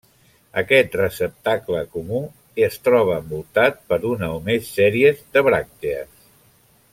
Aquest receptacle comú es troba envoltat per una o més sèries de bràctees.